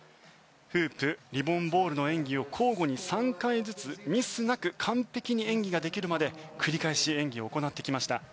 フープ、リボン・ボールの演技を交互に３回ずつミスなく完璧に演技ができるまで繰り返し演技を行ってきました。